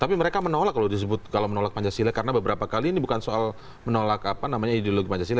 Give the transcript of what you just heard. tapi mereka menolak loh disebut kalau menolak pancasila karena beberapa kali ini bukan soal menolak ideologi pancasila